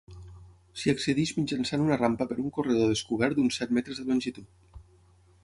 S'hi accedeix mitjançant una rampa per un corredor descobert d'uns set metres de longitud.